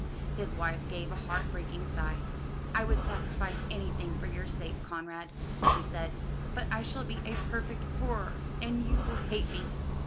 His wife gave a heart breaking sigh. "I would sacrifice anything for your sake, Conrad," she said, "but I shall be a perfect horror, and you will hate me."